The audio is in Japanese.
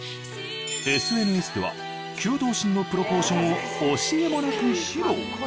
ＳＮＳでは９頭身のプロポーションを惜しげもなく披露。